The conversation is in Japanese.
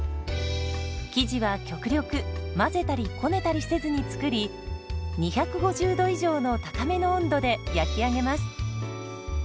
生地は極力混ぜたりこねたりせずに作り２５０度以上の高めの温度で焼き上げます。